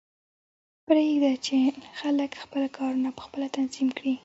پریږده چې خلک خپل کارونه پخپله تنظیم کړي